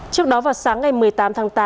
trước đó vào sáng ngày một mươi tám tháng